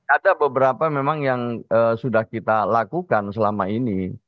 ada beberapa memang yang sudah kita lakukan selama ini